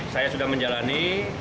saya sudah menjalani